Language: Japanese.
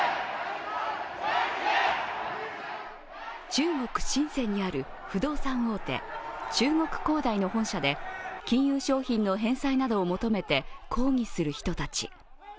中国・深センにある不動産大手、中国恒大の本社で金融商品の返済などを求めて抗議する人たち。